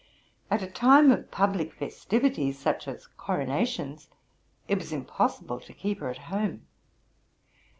At a time of publie festivities, such as coronations, it was impossible to keep her at home.